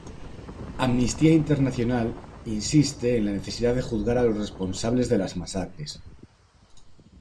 Amnistía Internacional insiste en la necesidad de juzgar a los responsables de las masacres.